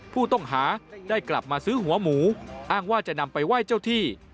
ผู้ต้องหาได้กลับมาซื้อหัวหมูอ้างว่าจะนำไปไหว้เจ้าที่